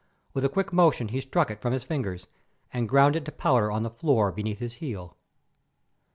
With a quick motion he struck it from his fingers, and ground it to powder on the floor beneath his heel.